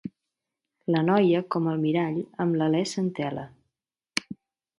La noia, com el mirall, amb l'alè s'entela.